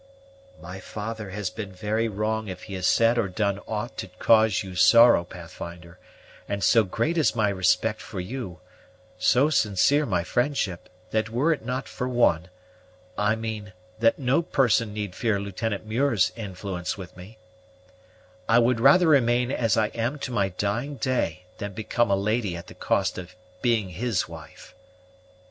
"My father has been very wrong if he has said or done aught to cause you sorrow, Pathfinder; and so great is my respect for you, so sincere my friendship, that were it not for one I mean that no person need fear Lieutenant Muir's influence with me I would rather remain as I am to my dying day than become a lady at the cost of being his wife."